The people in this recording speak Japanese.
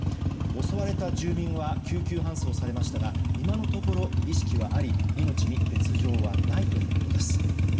襲われた住民は救急搬送されましたが今のところ意識はあり命に別条はないということです。